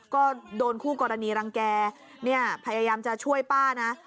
ก็โดนคู่กรณีรังแก่เนี่ยพยายามจะช่วยป้านะ